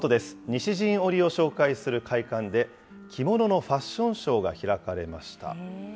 西陣織を紹介する会館で、着物のファッションショーが開かれました。